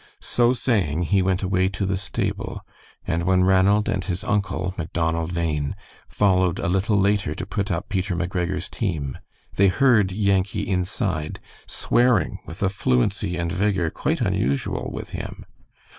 So saying, he went away to the stable, and when Ranald and his uncle, Macdonald Bhain, followed a little later to put up Peter McGregor's team, they heard Yankee inside, swearing with a fluency and vigor quite unusual with him.